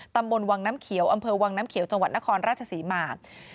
ตำบลวังน้ำเขียวอำเภอวังน้ำเขียวจังหวัดนครราชศรีมา